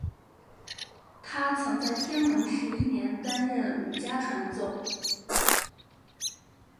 他曾在天文十一年担任武家传奏。